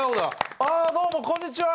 あどうもこんにちは。